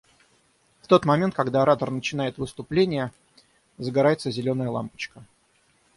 В тот момент, когда оратор начинает выступление, загорается зеленая лампочка.